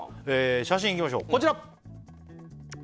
写真いきましょうこちら！